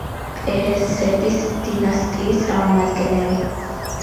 პერესების დინასტიის წარმომადგენელი.